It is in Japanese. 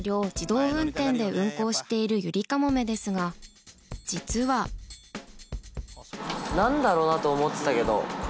運行しているゆりかもめですが実は何だろうな？と思ってたけど。